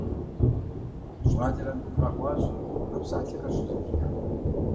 ЩӀалэр Ӏэнкун къэхъуащ, а псалъэхэр щызэхихым.